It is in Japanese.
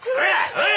おい！